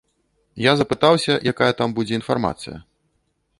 Я запытаўся, якая там будзе інфармацыя.